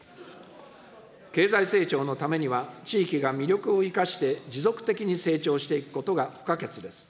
経済成長のためには、地域が魅力を生かして持続的に成長していくことが不可欠です。